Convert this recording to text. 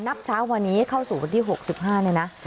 เช้าวันนี้เข้าสู่วันที่๖๕เนี่ยนะ